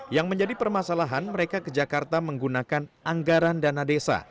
yang menjadi permasalahan mereka ke jakarta menggunakan anggaran dana desa